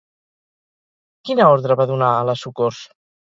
Quina ordre va donar a la Socors?